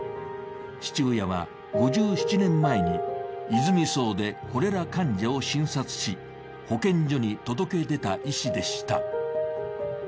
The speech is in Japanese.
父親は５７年前にいづみ荘でコレラ患者を診察し保健所に届け出た医師でした。